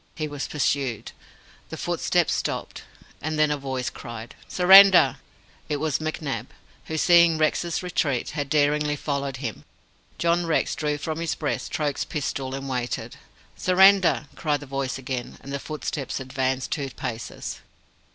He was pursued. The footsteps stopped, and then a voice cried "Surrender!" It was McNab, who, seeing Rex's retreat, had daringly followed him. John Rex drew from his breast Troke's pistol and waited. "Surrender!" cried the voice again, and the footsteps advanced two paces.